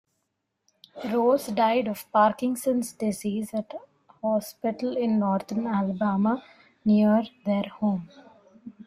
Rose died of Parkinson's disease at a hospital in northern Alabama near their home.